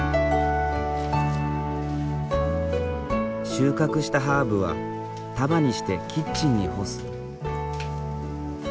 収穫したハーブは束にしてキッチンに干す。